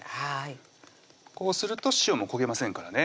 こうすると塩も焦げませんからね